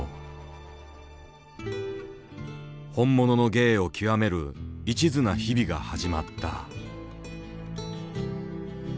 本物の芸を究める一途な日々が始まった。